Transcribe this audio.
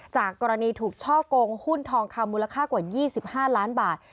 จากกรณีถูกช่อกงหุ้นทองคำมูลค่ากว่า๒๕ล้านบาท